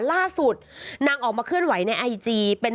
ล่าสุดนางออกมาเคลื่อนไหวในไอจีเป็น